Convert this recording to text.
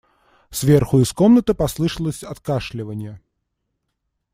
Сверху из комнаты послышалось откашливание.